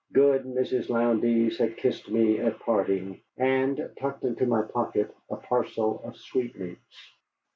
Good Mrs. Lowndes had kissed me at parting, and tucked into my pocket a parcel of sweetmeats.